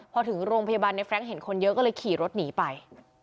พอถึงโรงพยาบาลในแฟรงค์เห็นคนเยอะก็เลยขี่รถหนีไป